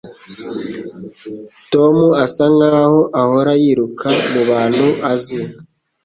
Tom asa nkaho ahora yiruka mubantu azi